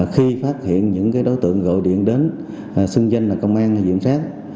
khi phát hiện những đối tượng gọi điện đến xưng danh là công an giám sát